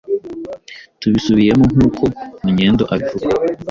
tubisubiyemo nk'uko munyendo abivuga